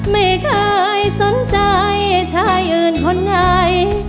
ไม่เคยสนใจชายอื่นคนไหน